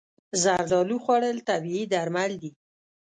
زردالو خوړل طبیعي درمل دي.